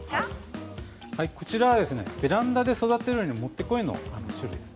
こちらはベランダで育てるのに、もってこいです。